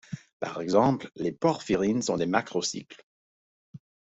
Par exemple, les porphyrines sont des macrocycles.